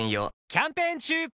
キャンペーン中！